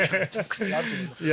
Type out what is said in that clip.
あると思いますけど。